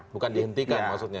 bukan dihentikan maksudnya